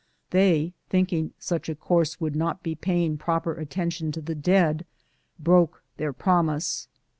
They, thinking such a course would not be paying proper at tention to the dead, broke their promise.